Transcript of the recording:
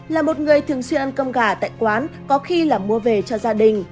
là một người thường xuyên ăn cơm gà tại quán có khi là mua về cho gia đình